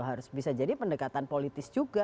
harus bisa jadi pendekatan politis juga